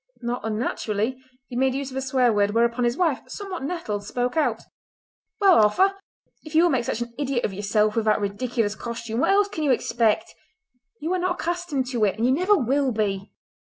Not unnaturally, he made use of a swear word, whereupon his wife, somewhat nettled, spoke out: "Well, Arthur, if you will make such an idiot of yourself with that ridiculous costume what else can you expect? You are not accustomed to it—and you never will be!"